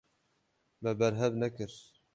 Me berhev nekir.